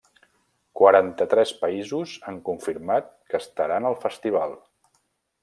Quaranta-tres països han confirmat que estaran al festival.